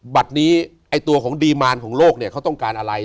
บัดนี้ตัวของดีมารของโลกเขาต้องการอะไร